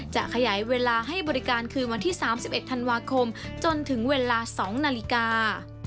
จะขยายเวลาให้บริการคืนวันที่๓๑ธันวาคมจนถึงเวลา๒นาฬิกา